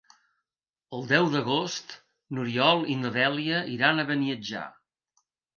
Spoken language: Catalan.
El deu d'agost n'Oriol i na Dèlia iran a Beniatjar.